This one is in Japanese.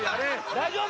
・大丈夫？